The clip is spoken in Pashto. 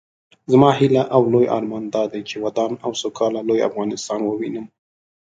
زما هيله او لوئ ارمان دادی چې ودان او سوکاله لوئ افغانستان ووينم